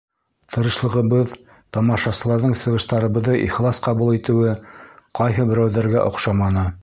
Тырышлығыбыҙ, тамашасыларҙың сығыштарыбыҙҙы ихлас ҡабул итеүе ҡайһы берәүҙәргә оҡшаманы.